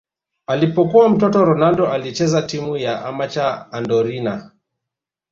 Alipokuwa mtoto Ronaldo alicheza timu ya amateur Andorinha